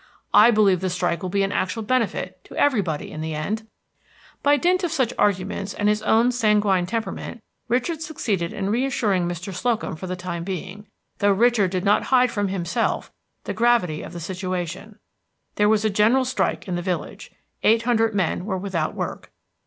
I believe the strike will be an actual benefit to everybody in the end." By dint of such arguments and his own sanguine temperament, Richard succeeded in reassuring Mr. Slocum for the time being, though Richard did not hide from himself the gravity of the situation. There was a general strike in the village. Eight hundred men were without work.